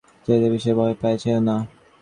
সে যে বিশেষ ভয় পাইয়াছে মনে হয় না।